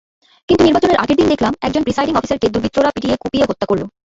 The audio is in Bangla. কিন্তু নির্বাচনের আগের দিন দেখলাম একজন প্রিসাইডিং অফিসারকে দুর্বৃত্তরা পিটিয়ে-কুপিয়ে হত্যা করল।